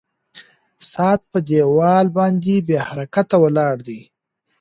ساعت په دیوال باندې بې حرکته ولاړ دی.